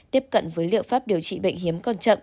tiếp cận với liệu pháp điều trị bệnh hiếm còn chậm